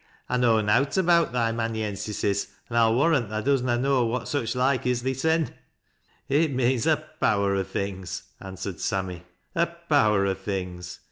I know newt about thy manny ensisses, an' Pll warrant tha does na know what such loike is thysen." " It means a power o' things," answered Sammy ;" a ^wer o' things.